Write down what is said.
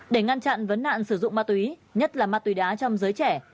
để ngăn chặn vấn nạn sử dụng ma túy nhất là ma túy đá trong giới trẻ